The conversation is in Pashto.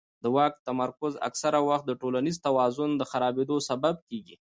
د واک تمرکز اکثره وخت د ټولنیز توازن د خرابېدو سبب کېږي